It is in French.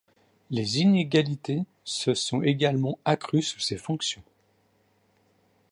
Les inégalités se sont également accrues sous ses fonctions.